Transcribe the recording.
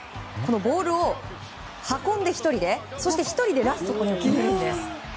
ボールを運んで、１人で１人でラスト、決めるんです。